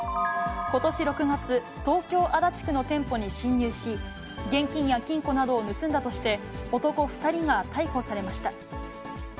ことし６月、東京・足立区の店舗に侵入し、現金や金庫などを盗んだとして、男２人が逮捕されました。